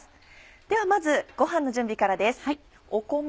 ではまずごはんの準備からです。